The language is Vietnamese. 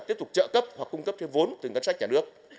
tiếp tục trợ cấp hoặc cung cấp thêm vốn từ ngân sách nhà nước